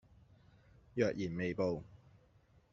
若然未報